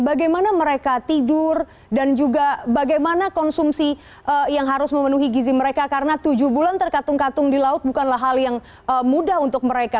bagaimana mereka tidur dan juga bagaimana konsumsi yang harus memenuhi gizi mereka karena tujuh bulan terkatung katung di laut bukanlah hal yang mudah untuk mereka